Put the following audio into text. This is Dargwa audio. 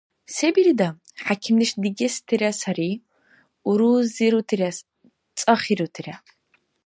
Се бирида? ХӀякимдеш дигестира сари, урузирутира, цӀахирутира.